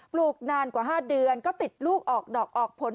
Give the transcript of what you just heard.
ลูกนานกว่า๕เดือนก็ติดลูกออกดอกออกผล